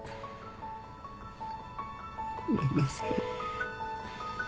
ごめんなさい。